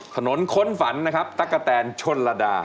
ถนนคนฝันนะครับตะกะแตนชนละดา